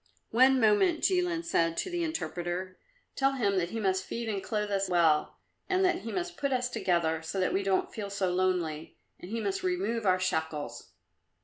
"One moment," Jilin said to the interpreter; "tell him that he must feed and clothe us well, and that he must put us together so that we don't feel so lonely, and he must remove our shackles."